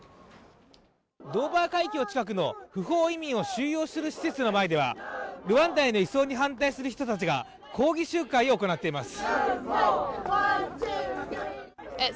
ドーバー海峡の近くの不法移民を収容する施設の前ではルワンダへの移送に反対する人々が抗議集会を行っています。